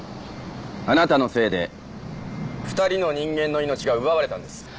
あなたのせいで２人の人間の命が奪われたんです。